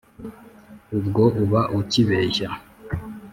ubwo uba ucyibeshya